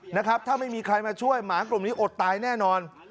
นะครับถ้าไม่มีใครมาช่วยหมากลุ่มนี้อดตายแน่นอน